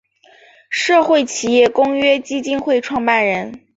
社会企业公约基金会创办人。